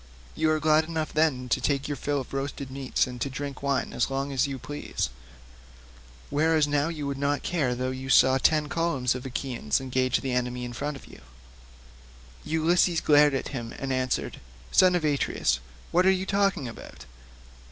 You are glad enough then to take your fill of roast meats and to drink wine as long as you please, whereas now you would not care though you saw ten columns of Achaeans engage the enemy in front of you." Ulysses glared at him and answered, "Son of Atreus, what are you talking about?